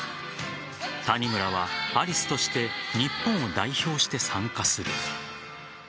谷村はアリスとして日本を代表して参加する。